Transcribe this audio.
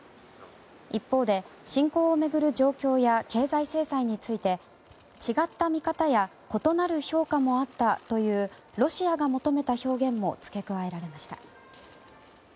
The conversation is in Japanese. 一方で侵攻を巡る状況や経済制裁について違った見方や異なる評価もあったというロシアが求めた表現も付け加えられました。